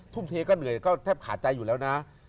ทุ่มเทก็เหนื่อยก็แทบขาดใจอยู่แล้วนะ